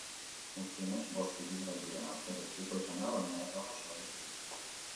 Gutxienez bost ibilgailuren arteko istripua izan da, baina ez dago zauriturik.